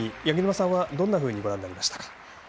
八木沼さんは、どんなふうにご覧になりましたか？